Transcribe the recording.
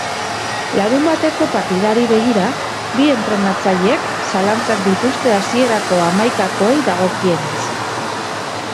Larunbateko partidari begira, bi entrenatzaileek zalantzak dituzte hasierako hamaikakoei dagokienez.